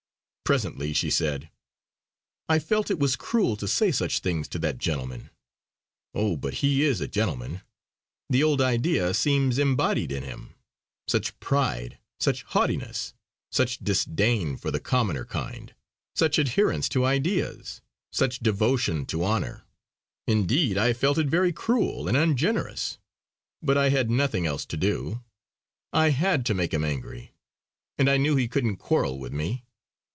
Presently she said: "I felt it was cruel to say such things to that gentleman. Oh! but he is a gentleman; the old idea seems embodied in him. Such pride, such haughtiness; such disdain of the commoner kind; such adherence to ideas; such devotion to honour! Indeed, I felt it very cruel and ungenerous; but I had nothing else to do. I had to make him angry; and I knew he couldn't quarrel with me.